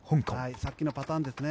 さっきのパターンですね。